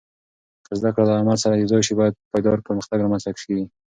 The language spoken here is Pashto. که زده کړه له عمل سره یوځای شي، پایدار پرمختګ رامنځته کېږي.